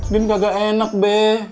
din kagak enak be